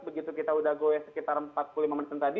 begitu kita udah goyah sekitar empat puluh lima menit tadi